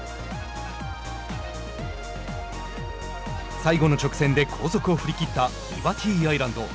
最後の直線で後続を振り切ったリバティアイランド。